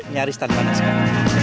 nyaris tanpa naskah